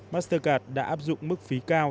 mastercard đã áp dụng mức phí cao